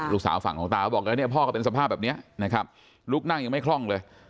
ลูกสาวฝั่งของตาเขาบอกแล้วเนี่ยพ่อก็เป็นสภาพแบบนี้นะครับลูกนั่งยังไม่คล่องเลย